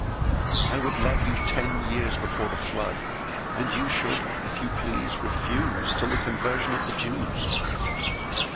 I wouldLove you ten years before the Flood:And you should if you please refuseTill the Conversion of the Jews.